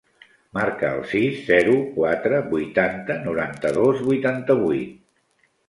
Marca el sis, zero, quatre, vuitanta, noranta-dos, vuitanta-vuit.